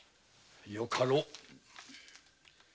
よかろう。